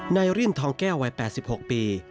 ริ่นทองแก้ววัย๘๖ปี